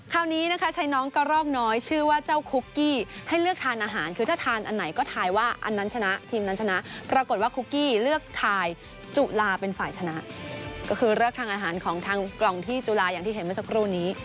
ก็คือเลือกทางอาหารของทางกล่องที่จุลายังที่เห็นมาสักครู่นี้